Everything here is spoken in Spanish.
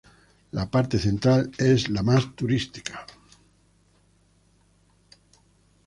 La parte central es la más turística.